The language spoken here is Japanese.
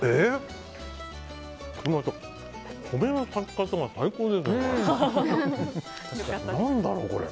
また米の炊き方が最高ですね、これ。